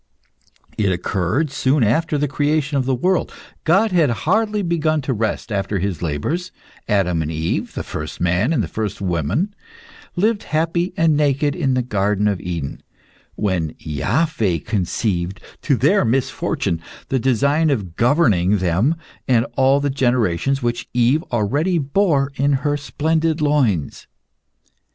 It occurred soon after the creation of the world. God had hardly begun to rest after His labors; Adam and Eve, the first man and the first woman, lived happy and naked in the Garden of Eden, when Iaveh conceived to their misfortune the design of governing them and all the generations which Eve already bore in her splendid loins.